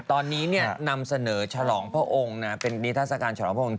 ตอนนี้นำเสนอฉลองพระองค์เป็นนิทัศกาลฉลองพระองค์